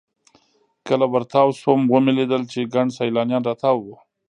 کله ورتاو سوم ومې لېدل چې ګڼ سیلانیان راتاو وو.